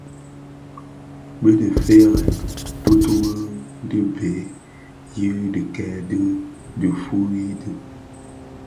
Bi difeërèn tuutubi di bhee yi dhikèè dhi diifuyi di.